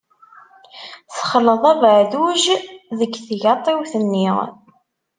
Texleḍ abeɛduj deg tgaṭiwt-nni.